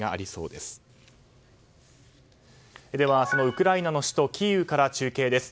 ではそのウクライナの首都キーウから中継です。